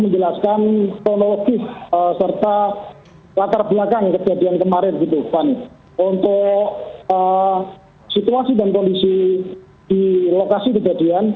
jadi situasi dan kondisi di lokasi kejadian